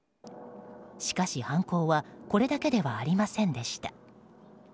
しかし、犯行はこれだけではありませんでした。